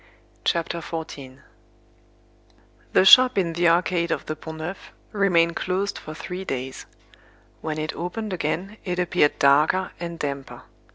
CHAPTER XIV The shop in the Arcade of the Pont Neuf remained closed for three days. When it opened again, it appeared darker and damper.